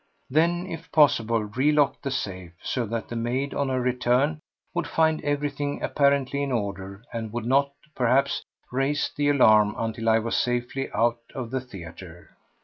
Then, if possible, relock the safe, so that the maid, on her return, would find everything apparently in order and would not, perhaps, raise the alarm until I was safely out of the theatre.